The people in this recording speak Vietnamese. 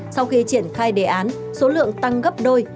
sau khi triển khai đề án số lượng tăng gấp đôi